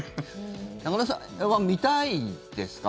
中田さんは見たいですか？